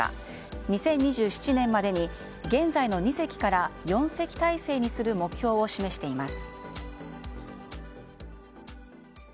２０２７年までに現在の２隻から４隻体制にする目標を示しています。